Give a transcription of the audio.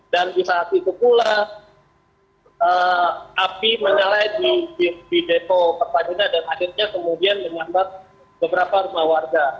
dan di saat itu pula api menyalai di depo pertamina dan akhirnya kemudian menyambat beberapa rumah warga